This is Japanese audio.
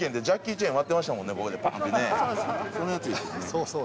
そうそう。